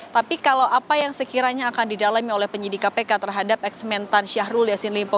tapi kalau apa yang sekiranya akan didalami oleh penyidik kpk terhadap eksmentan syahrul yassin limpo